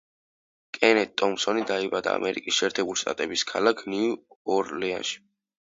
კენეთ ტომფსონი დაიბადა ამერიკის შეერთებული შტატების ქალაქ ნიუ-ორლეანში.